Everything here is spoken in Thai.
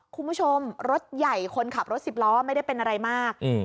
คุณผู้ชมรถใหญ่คนขับรถสิบล้อไม่ได้เป็นอะไรมาก